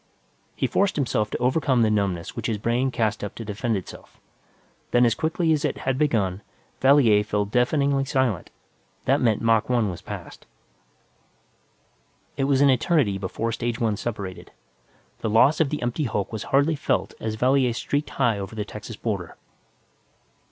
He forced himself to overcome the numbness which his brain cast up to defend itself. Then, as quickly as it had begun, Valier fell deafeningly silent; that meant Mach 1 was passed. It was an eternity before stage one separated. The loss of the empty hulk was hardly felt as Valier streaked high over the Texas border.